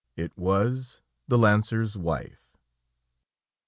It was the lancer's wife.